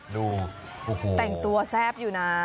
ดูแต่งตัวแซ่บอยู่นะ